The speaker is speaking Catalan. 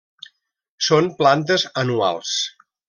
Són plantes anuals.